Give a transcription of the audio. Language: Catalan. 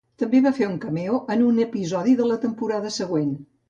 També va fer un cameo en un episodi de la temporada següent.